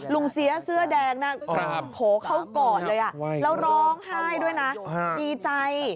ลุงเสียเสื้อแดงน่ะเขากอดเลยน่ะแล้วร้องไห้ด้วยน่ะอีใจ